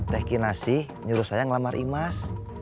teh kinasi nyuruh saya ngelamar imas